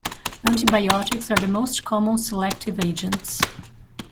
Antibiotics are the most common selective agents.